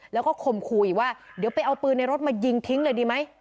แล้วก็ข่มขู่อีกว่าเดี๋ยวไปเอาปืนในรถมายิงทิ้งเลยดีไหม